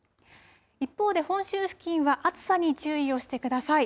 一方で本州付近は、暑さに注意をしてください。